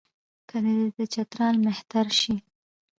که دی د چترال مهتر شي.